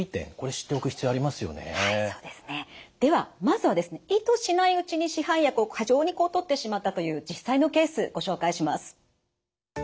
ではまずはですね意図しないうちに市販薬を過剰にとってしまったという実際のケースご紹介します。